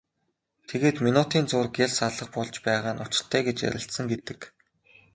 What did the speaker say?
Тэгээд минутын зуур гялс алга болж байгаа нь учиртай гэж ярилцсан гэдэг.